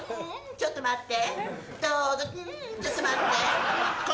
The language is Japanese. ちょっと待って。